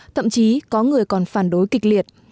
thậm chí có người còn phản đối kịch liệt